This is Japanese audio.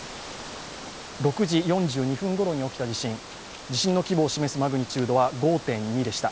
６時４２分ごろに起きた地震、地震の規模を示すマグニチュードは５．２でした。